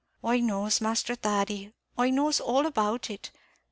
"I knows, Masther Thady; I knows all about it.